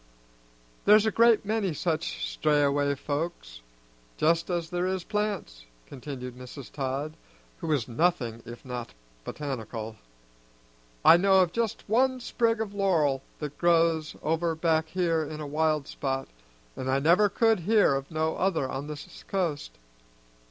"There's a great many such strayaway folks, just as there is plants," continued Mrs. Todd, who was nothing if not botanical. "I know of just one sprig of laurel that grows over back here in a wild spot, an' I never could hear of no other on this coast.